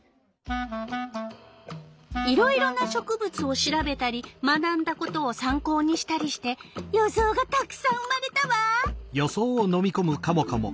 いろいろな植物を調べたり学んだことをさん考にしたりして予想がたくさん生まれたわ！